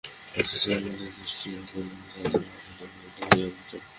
গাছের ছায়ার মধ্যে দৃষ্টি আর চলে না, জঙ্গলের মধ্যে পথ অবরুদ্ধ হইয়া যায়।